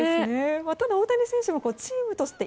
ただ、大谷選手もチームとして